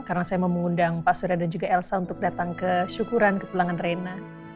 karena saya mau mengundang pak surya dan juga elsa untuk datang ke syukuran ke pulangan reina